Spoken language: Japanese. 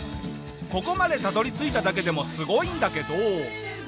ここまでたどり着いただけでもすごいんだけど。